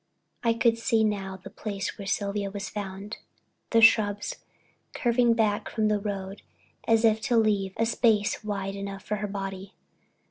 I could see now the place where Sylvia was found, the shrubs curving back from the road as if to leave a space wide enough for her body.